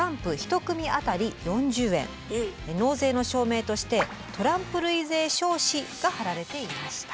納税の証明として「トランプ類税証紙」が貼られていました。